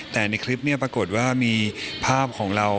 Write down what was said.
แต่ในคลิปเนี่ยปรากฏว่ามีภาพของเรา